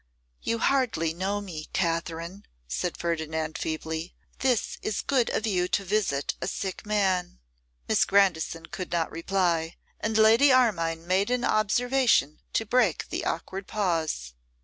'You hardly know me, Katherine,' said Ferdinand, feebly. 'This is good of you to visit a sick man.' Miss Grandison could not reply, and Lady Armine made an observation to break the awkward pause.